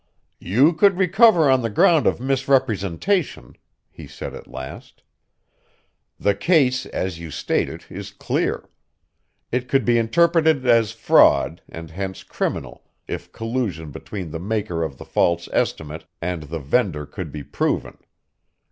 "You could recover on the ground of misrepresentation," he said at last. "The case, as you state it, is clear. It could be interpreted as fraud and hence criminal if collusion between the maker of the false estimate and the vendor could be proven.